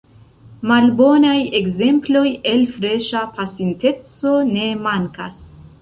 Malbonaj ekzemploj el freŝa pasinteco ne mankas.